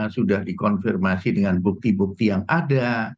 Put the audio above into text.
sudah dikonfirmasi dengan bukti bukti yang ada